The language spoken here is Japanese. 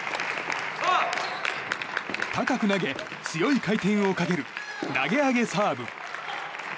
高く投げ、強い回転をかける投げ上げサーブ。